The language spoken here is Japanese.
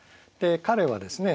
彼はですね